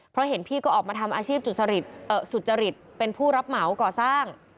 เพราะเห็นพี่ก็ออกมาทำอาชีพสุจริตเป็นผู้รับเหมาก่อสร้าง